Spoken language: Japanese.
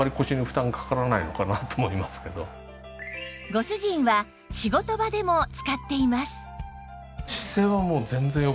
ご主人は仕事場でも使っています